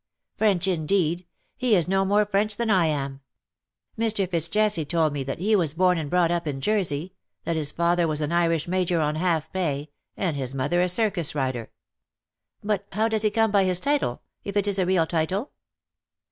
" French, indeed ! He is no more French than I am. Mr. Fitz Jesse told me that he was born and brought up in Jersey — that his father was an Irish Major on half pay^ and his mother a circus rider.^^ " But how does he come by his title — if it is a real title